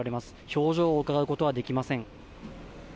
表情をうかがうことはできません。